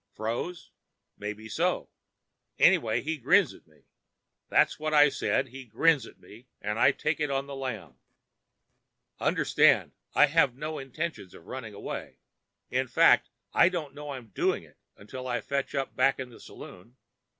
Froze? Maybe so. Anyhow, he grins at me! That's what I said! He grins at me, and I take it on the lam. Understand, I have no intentions of running away—in fact, I don't know I'm doing it until I fetch up back in the saloon.